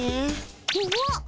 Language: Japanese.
うわっ！？